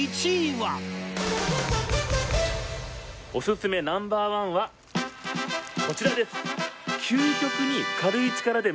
おすすめナンバー１はこちらです！